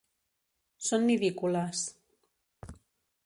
Són nidícoles.